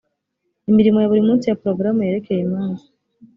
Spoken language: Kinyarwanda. imirimo ya buri munsi ya porogaramu yerekeye imanza